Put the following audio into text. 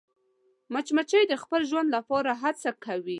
مچمچۍ د خپل ژوند لپاره هڅه کوي